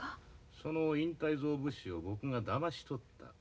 ・その隠退蔵物資を僕がだまし取った。